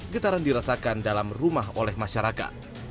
getaran dirasakan dalam rumah oleh masyarakat